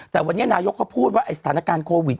แต่วันนี้นายกเขาพูดว่าสถานการณ์โควิด